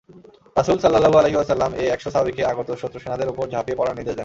রাসূল সাল্লাল্লাহু আলাইহি ওয়াসাল্লাম এ একশ সাহাবীকে আগত শত্রুসেনাদের উপর ঝাঁপিয়ে পড়ার নির্দেশ দেন।